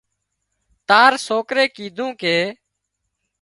تار سوڪري ڪيڌون ڪي